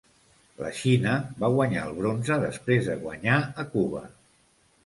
La Xina va guanyar el bronze després de guanyar a Cuba.